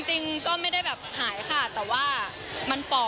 จริงก็ไม่ได้แบบหายค่ะแต่ว่ามันฝ่อ